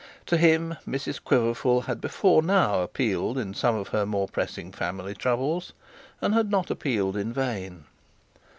To him Mrs Quiverful had before now appealed in some of her more pressing family troubles, and had not appealed in vain.